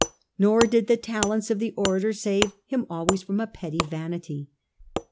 Nor did the talents of the orator save him always from a petty vanity.